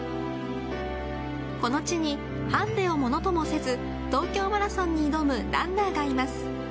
この地にはんでをものともせず東京マラソンに挑むランナーがいます。